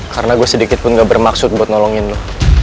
karena gue sedikit pun gak bermaksud buat nolongin lo